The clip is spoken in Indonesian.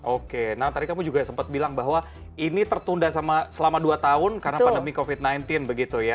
oke nah tadi kamu juga sempat bilang bahwa ini tertunda selama dua tahun karena pandemi covid sembilan belas begitu ya